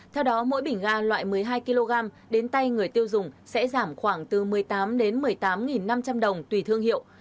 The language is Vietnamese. theo đó mỗi bình ga loại một mươi hai kg đến tay người tiêu dùng sẽ giảm khoảng từ một mươi tám đến một mươi tám năm trăm linh đồng tùy thương hiệu